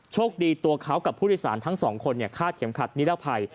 โชคดีตัวเขากับผู้โดยสารทั้งสองคนคาดเข็มขัดนิรภัย